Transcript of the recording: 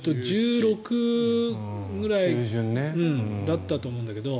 １６日ぐらいだったと思うんだけど。